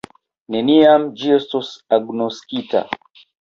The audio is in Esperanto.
Neniam ĝi estos agnoskita.